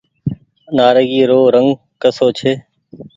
نآريگي رو رنگ ڪسو ڇي۔